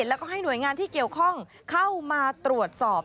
แล้วก็ให้หน่วยงานที่เกี่ยวข้องเข้ามาตรวจสอบ